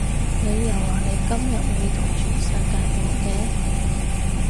你又話你今日會同全世界講嘅